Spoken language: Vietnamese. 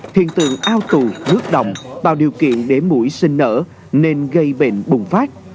thiện tượng ao tù rước đồng bào điều kiện để mũi sinh nở nên gây bệnh bùng phát